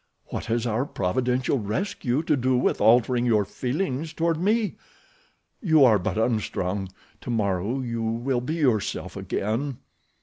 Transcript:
What has our providential rescue to do with altering your feelings toward me? You are but unstrung—tomorrow you will be yourself again."